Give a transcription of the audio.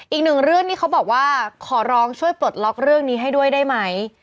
อีกหนึ่งเรื่องให้ขอร้องช่วยปลดล๊อกเรื่องนี้ให้ด้วยได้ไหม